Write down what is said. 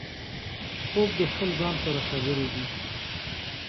خوب د خپل ځان سره خبرې دي